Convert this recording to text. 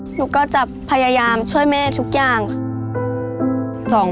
หนูก็จะพยายามช่วยแม่ทุกอย่างค่ะ